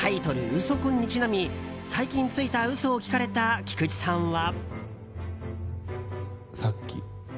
「ウソ婚」にちなみ最近ついた嘘を聞かれた菊池さんは。